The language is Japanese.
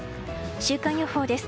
週間予報です。